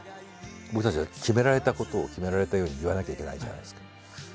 僕たちは決められたことを決められたように言わなきゃいけないじゃないですか。